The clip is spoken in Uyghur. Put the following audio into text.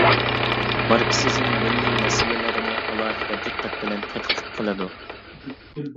ماركسىزم مىللىي مەسىلىلەرنى ئالاھىدە دىققەت بىلەن تەتقىق قىلىدۇ.